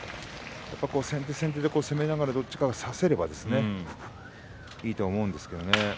先手先手で攻めながらどっちかが差せればいいと思うんですけどね。